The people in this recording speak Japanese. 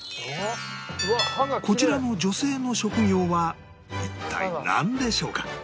こちらの女性の職業は一体なんでしょうか？